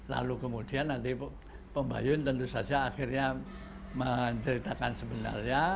lalu kemudian nanti pembayun tentu saja akhirnya menceritakan sebenarnya